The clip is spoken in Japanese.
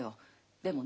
でもね